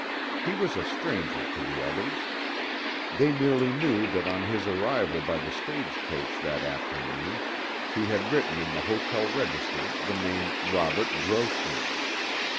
He was a stranger to the others. They merely knew that on his arrival by the stage coach that afternoon he had written in the hotel register the name Robert Grossmith.